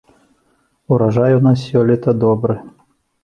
Ураджай у нас сёлета добры.